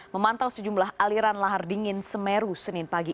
memantau sejumlah aliran lahar dingin semeru senin pagi